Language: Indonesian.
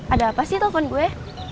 ada apa sih telpon gue